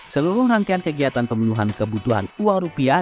seluruh rangkaian kegiatan pemenuhan kebutuhan uang rupiah